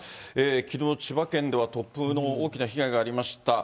きのう、千葉県では突風の大きな被害がありました。